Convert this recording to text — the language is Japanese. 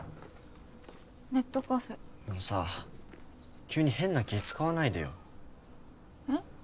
ネットカフェあのさ急に変な気使わないでよえっ？